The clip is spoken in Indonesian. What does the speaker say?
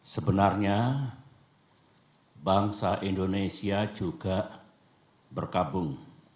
sebenarnya bangsa indonesia juga berkabung